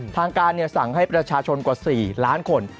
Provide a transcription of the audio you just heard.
ทางการสั่งให้ประชาชนกว่า๔ล้านคน